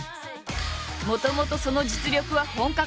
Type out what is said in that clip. もともとその実力は本格派。